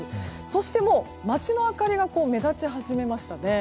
そして、街の明かりが目立ち始めましたね。